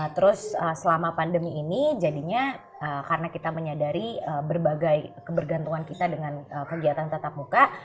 terus selama pandemi ini jadinya karena kita menyadari berbagai kebergantungan kita dengan kegiatan tetap muka